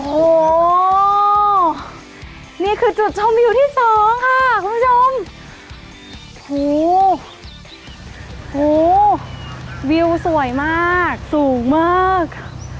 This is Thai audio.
โอ้โหนี่คือจุดชมวิวที่สองค่ะคุณผู้ชมโหวิวสวยมากสูงมาก